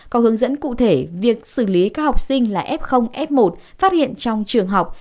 có hướng dẫn cụ thể việc xử lý các học sinh là f f một phát hiện trong trường học